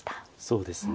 そうですね。